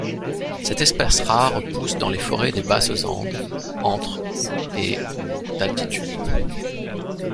Cette espèce rare pousse dans les forêts des basses Andes, entre et d'altitude.